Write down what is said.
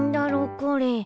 これ。